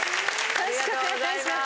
よろしくお願いします。